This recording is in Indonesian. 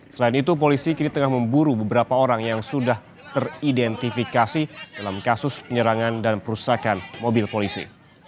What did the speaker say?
selain itu polisi kini tengah memburu beberapa orang yang sudah teridentifikasi dalam kasus penyerangan dan perusakan mobil polisi